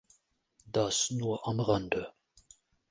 Das nur am Rande.